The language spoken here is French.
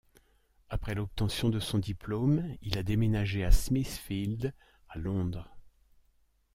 Après l'obtention de son diplôme, il a déménagé à Smithfields à Londres.